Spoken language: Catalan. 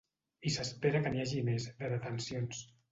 I s’espera que n’hi hagi més, de detencions.